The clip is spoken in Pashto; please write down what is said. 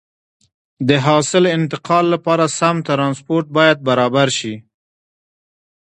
د حاصل انتقال لپاره سم ترانسپورت باید برابر شي.